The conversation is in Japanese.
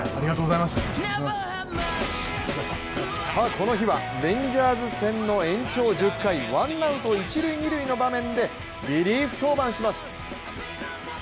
この日はレンジャーズ戦の延長１０回、ワンアウト一塁・二塁の場面でリリーフ登板します。